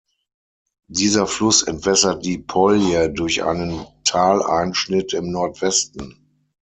Dieser Fluss entwässert die Polje durch einen Taleinschnitt im Nordwesten.